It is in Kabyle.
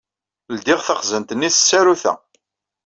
Ldey taxzant-nni s tsarut-a.